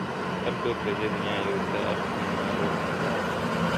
هر څوک له دې دنیا یو څه اخلي، ما ورنه لاس واخیست.